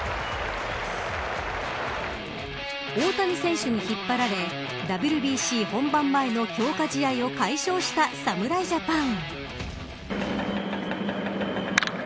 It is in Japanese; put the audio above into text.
大谷選手に引っ張られＷＢＣ本番前の強化試合を快勝した侍ジャパン。